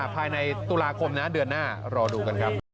ภายในตุลาคมนะเดือนหน้ารอดูกันครับ